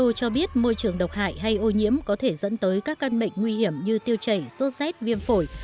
worl cho biết môi trường độc hại hay ô nhiễm có thể dẫn tới các căn bệnh nguy hiểm như tiêu chảy sốt xét viêm phổi